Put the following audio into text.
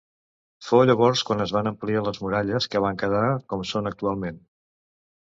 Fou llavors quan es van ampliar les muralles, que van quedar com són actualment.